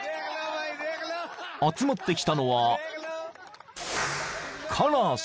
［集まってきたのは］